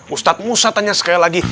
ustadz musta tanya sekali lagi